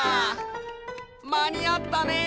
まにあったね。